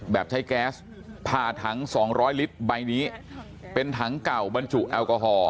ใช้แก๊สผ่าถัง๒๐๐ลิตรใบนี้เป็นถังเก่าบรรจุแอลกอฮอล